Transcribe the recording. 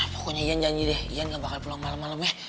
pokoknya yan janji deh yan gak bakal pulang malem malem ya